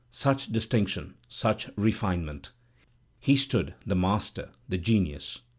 Such distinction, such refinement! He stood, the master, the genius!''